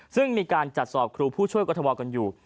ซึ่งมีการจัดสอบครูผู้ช่วยกรทมกันอยู่